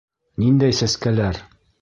Ниндәй сәскәләр?